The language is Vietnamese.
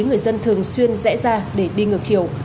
người dân thường xuyên rẽ ra để đi ngược chiều